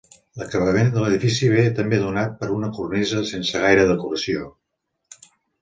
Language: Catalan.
L'acabament de l'edifici ve també donat per una cornisa sense gaire decoració.